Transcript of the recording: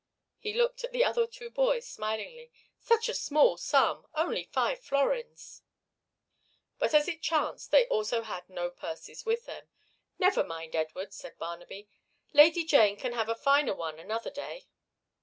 He looked at the other two boys smilingly. "Such a small sum, only five florins." But as it chanced they also had no purses with them. "Never mind, Edward," said Barnaby. "Lady Jane can have a finer one another day."